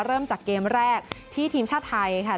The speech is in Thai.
เริ่มจากเกมแรกที่ทีมชาติไทยค่ะ